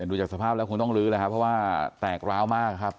ดูจากสภาพแล้วคงต้องลื้อแล้วครับเพราะว่าแตกร้าวมากครับ